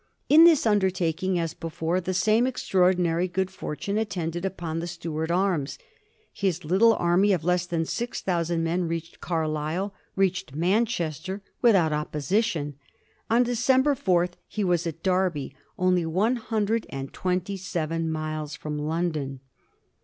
In this undertaking, as be fore, the same extraordinary good fortune attended upon the Stuart arms. His little army of less than six thou sand men reached Carlisle, reached Manchester, without opposition. On December 4th he was at Derby, only one hundred and twenty seven miles from London.